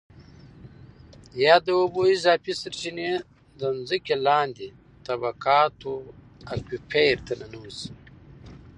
یا د اوبو اضافي سرچېنې د ځمکې لاندې طبقاتو Aquifers ته ننوځي.